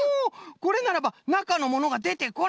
これならばなかのものがでてこない！